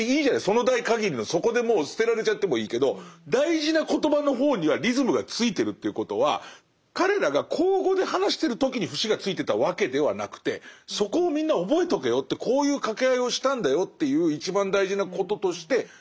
その代限りのそこでもう捨てられちゃってもいいけど大事な言葉の方にはリズムがついてるということは彼らが口語で話してる時に節がついてたわけではなくてそこをみんな覚えとけよってこういう掛け合いをしたんだよっていう一番大事なこととして。